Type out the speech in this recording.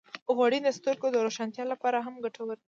غوړې د سترګو د روښانتیا لپاره هم ګټورې دي.